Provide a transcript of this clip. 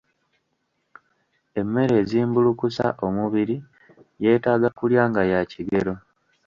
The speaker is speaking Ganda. Emmere ezimbulukusa omubiri yeetaaga kulya nga ya kigero